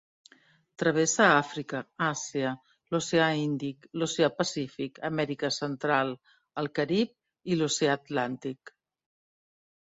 Travessa Àfrica, Àsia, l'Oceà Índic, l’Oceà Pacífic, Amèrica Central, el Carib i l'Oceà Atlàntic.